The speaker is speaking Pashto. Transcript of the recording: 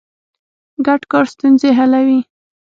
ګډ کار ستونزې حلوي.